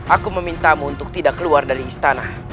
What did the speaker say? aku memintamu untuk tidak keluar dari istana